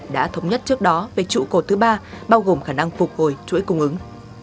đã thống nhất trước đó về trụ cột thứ ba bao gồm khả năng phục hồi chuỗi cung ứng